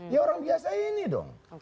ya orang biasa ini dong